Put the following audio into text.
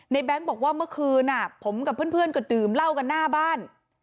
แบงค์บอกว่าเมื่อคืนผมกับเพื่อนก็ดื่มเหล้ากันหน้าบ้าน